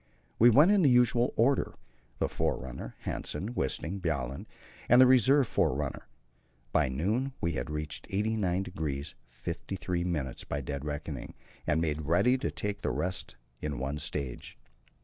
We went in the usual order the forerunner, Hanssen, Wisting, Bjaaland, and the reserve forerunner. By noon we had reached 89° 53' by dead reckoning, and made ready to take the rest in one stage.